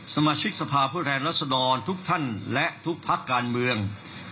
สมาชิกสภาพผู้แทนรัศดรทุกท่านและทุกพักการเมือง